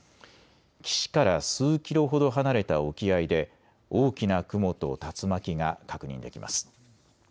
岸から数キロほど離れた沖合で大きな雲と竜巻が確認できます。